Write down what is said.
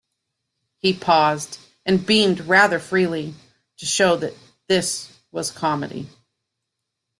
He paused, and beamed rather freely, to show that this was comedy.